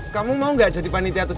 kamu mau gak jadi panitia tujuh belas an